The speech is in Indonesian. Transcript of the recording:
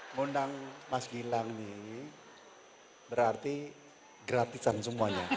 mengundang mas gilang nih berarti gratisan semuanya